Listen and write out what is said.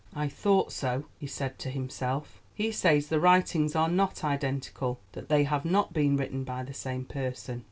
"I thought so," he said to himself; "he says the writings are not identical, that they have not been written by the same person.